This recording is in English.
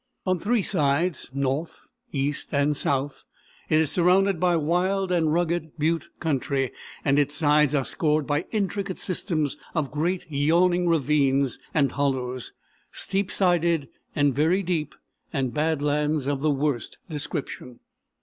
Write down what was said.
On three sides north, east, and south it is surrounded by wild and rugged butte country, and its sides are scored by intricate systems of great yawning ravines and hollows, steep sided and very deep, and bad lands of the worst description.